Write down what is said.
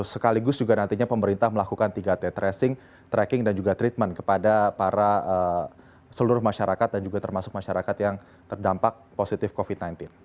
sekaligus juga nantinya pemerintah melakukan tiga t tracing tracking dan juga treatment kepada para seluruh masyarakat dan juga termasuk masyarakat yang terdampak positif covid sembilan belas